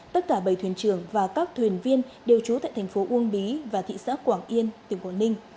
tất cả bảy thuyền trưởng và các thuyền viên đều trú tại thành phố uông bí và thị xã quảng yên tỉnh quảng ninh